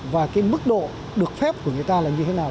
và cái mức độ được phép của người ta là như thế nào